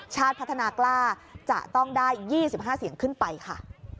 ชาติพัฒนากล้าจะต้องได้๒๕เสียงขึ้นไปค่ะ